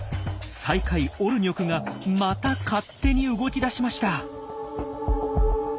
最下位オルニョクがまた勝手に動き出しました。